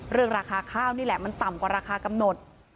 ราคาข้าวนี่แหละมันต่ำกว่าราคากำหนด